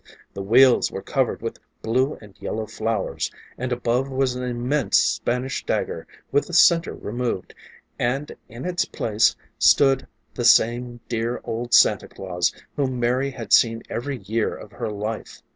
The wheels were covered with blue and yellow flowers and above was an immense Spanish dagger with the center removed, and in its place stood the same dear old Santa Claus, whom Mary had seen every year of her life.